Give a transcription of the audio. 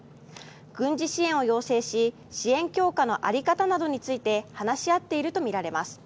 軍事支援を要請し支援強化のあり方などについて話し合っているとみられます。